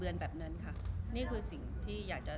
รูปนั้นผมก็เป็นคนถ่ายเองเคลียร์กับเรา